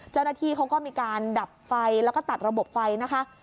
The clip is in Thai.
เจ้าหน้าที่เขาก็มีการดับไฟแล้วก็ตัดระบบไฟนะคะ